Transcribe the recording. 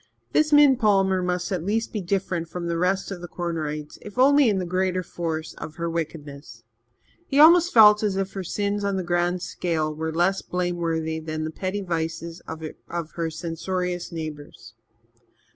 This Min Palmer must at least be different from the rest of the Cornerites, if only in the greater force of her wickedness. He almost felt as if her sins on the grand scale were less blameworthy than the petty vices of her censorious neighbours.